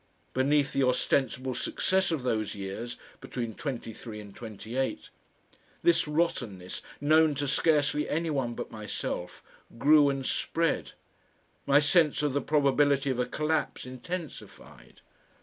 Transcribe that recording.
Beneath the ostensible success of those years, between twenty three and twenty eight, this rottenness, known to scarcely any one but myself, grew and spread. My sense of the probability of a collapse intensified.